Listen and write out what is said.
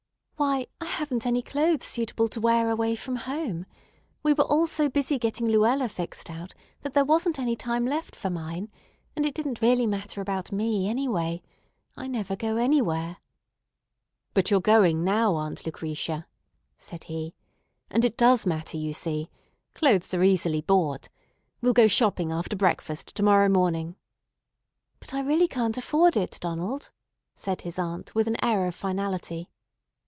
"Why, I haven't any clothes suitable to wear away from home. We were all so busy getting Luella fixed out that there wasn't any time left for mine, and it didn't really matter about me anyway. I never go anywhere." "But you're going now, Aunt Lucretia," said he; "and it does matter, you see. Clothes are easily bought. We'll go shopping after breakfast to morrow morning." "But I really can't afford it, Donald," said his aunt with an air of finality.